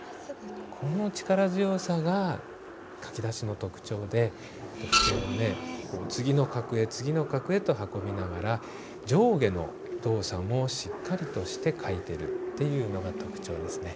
この力強さが書き出しの特徴で筆を次の画へ次の画へと運びながら上下の動作もしっかりとして書いてるっていうのが特徴ですね。